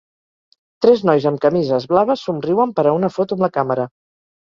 Tres nois amb camises blaves somriuen per a una foto amb la càmera.